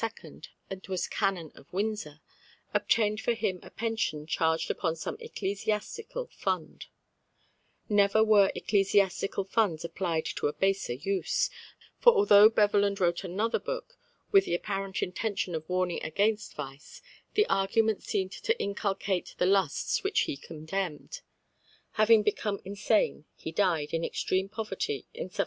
and was Canon of Windsor, obtained for him a pension charged upon some ecclesiastical fund. Never were ecclesiastical funds applied to a baser use; for although Beverland wrote another book [Footnote: De fornicatione cavendâ admonitio (Londini, Bateman, 1697, in 8).] with the apparent intention of warning against vice, the argument seemed to inculcate the lusts which he condemned. Having become insane he died, in extreme poverty, in 1712.